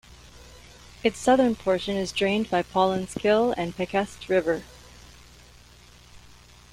Its southern portion is drained by Paulins Kill and Pequest River.